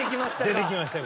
出てきましたよ